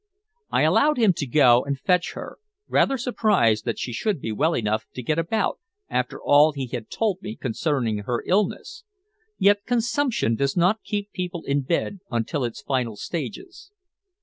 I allowed him to go and fetch her, rather surprised that she should be well enough to get about after all he had told me concerning her illness. Yet consumption does not keep people in bed until its final stages.